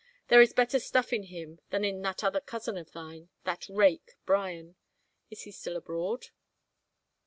There is better stuff in him than in that other cousin of thine, that rake, Bryan. Is he still abroad